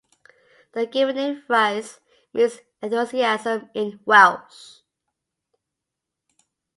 The given name Rhys means "enthusiasm" in Welsh.